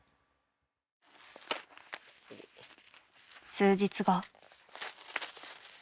数日後。